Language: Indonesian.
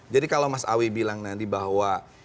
jadi kalau mas awi bilang nanti bahwa